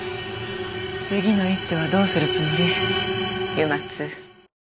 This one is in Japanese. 次の一手はどうするつもり？